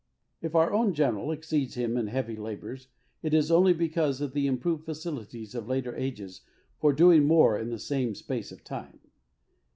'^ If our own General exceeds him in heavy labours, it is only because of the improved facilities of later ages for doing more in the same space of time.